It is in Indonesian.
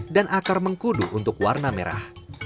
dan akar mengkudu untuk warna merah